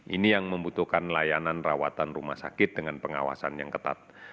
ini yang membutuhkan layanan rawatan rumah sakit dengan pengawasan yang ketat